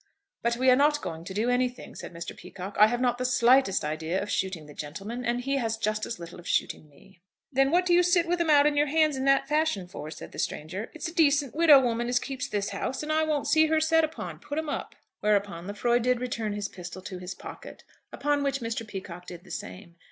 "But we are not going to do anything," said Mr. Peacocke. "I have not the slightest idea of shooting the gentleman; and he has just as little of shooting me." "Then what do you sit with 'em out in your hands in that fashion for?" said the stranger. "It's a decent widow woman as keeps this house, and I won't see her set upon. Put 'em up." Whereupon Lefroy did return his pistol to his pocket, upon which Mr. Peacocke did the same.